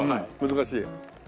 難しい。